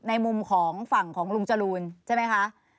ในมุมของฝั่งของลุงจรูนใช่ไหมคะ